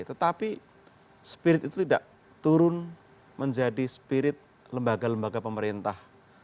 tetapi spirit itu tidak turun menjadi spirit lembaga lembaga pemerintah